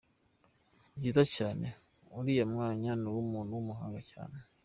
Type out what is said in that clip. Byiza cyane, uriya mwanya nuw’umuntu w’umuhanga cyane.